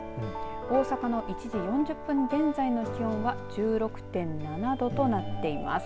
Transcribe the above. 大阪の１時４０分現在の気温は１６．７度となっています。